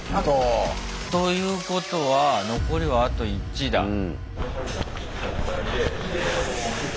ということは残りはあと１だ。